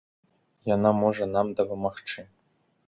Яна можа нам дапамагчы.